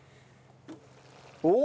お！